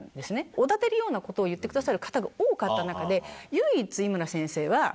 おだてるようなことを言ってくださる方が多かった中で。